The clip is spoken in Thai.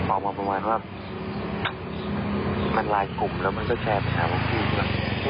ออกมาประมาณว่ามันลายกลุ่มแล้วก็แชร์สินค้าพวกพี่ก็